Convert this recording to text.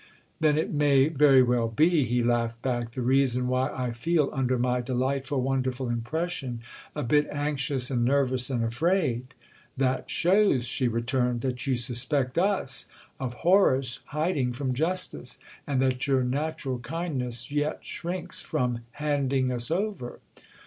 "Then it may very well be," he laughed back, "the reason why I feel, under my delightful, wonderful impression, a bit anxious and nervous and afraid." "That shows," she returned, "that you suspect us of horrors hiding from justice, and that your natural kindness yet shrinks from handing us over!"